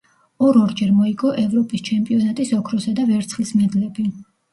ორ-ორჯერ მოიგო ევროპის ჩემპიონატის ოქროსა და ვერცხლის მედლები.